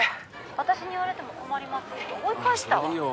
☎私に言われても困りますって☎追い返したわそれでいいよ